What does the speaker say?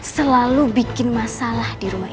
selalu bikin masalah di rumah